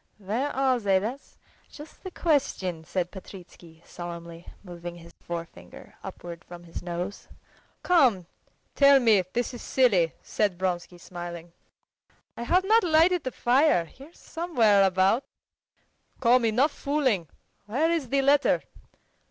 "Where are they? That's just the question!" said Petritsky solemnly, moving his forefinger upwards from his nose. "Come, tell me; this is silly!" said Vronsky smiling. "I have not lighted the fire. Here somewhere about." "Come, enough fooling! Where is the letter?"